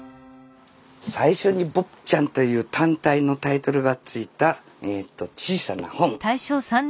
最初に「坊ちゃん」という単体のタイトルがついた小さな本。